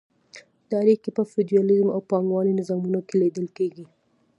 دا اړیکې په فیوډالیزم او پانګوالۍ نظامونو کې لیدل کیږي.